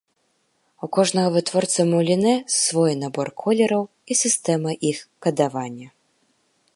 У кожнага вытворцы мулінэ свой набор колераў і сістэма іх кадавання.